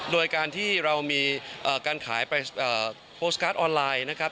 โดยการที่เรามีการขายไปโพสต์การ์ดออนไลน์นะครับ